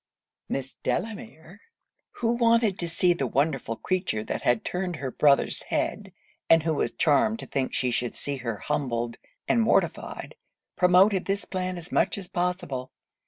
Miss Delamere, who wanted to see the wonderful creature that had turned her brother's head, and who was charmed to think she should see her humbled and mortified, promoted this plan as much as possible.